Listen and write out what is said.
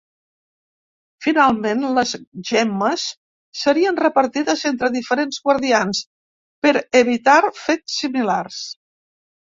Finalment les gemmes serien repartides entre diferents guardians, per evitar fets similars.